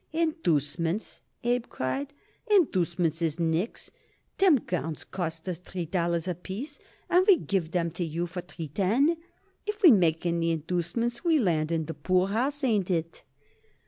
"Inducements!" Abe cried. "Inducements is nix. Them gowns costs us three dollars apiece, and we give 'em to you for three ten. If we make any inducements we land in the poorhouse. Ain't it?"